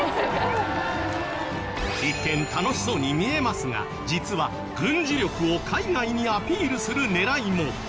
一見楽しそうに見えますが実は軍事力を海外にアピールする狙いも。